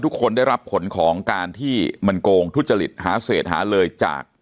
ทุกคนได้รับผลของการที่มันโกงทุจริตหาเศษหาเลยจาก